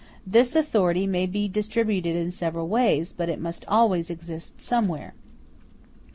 This authority may be distributed in several ways, but it must always exist somewhere.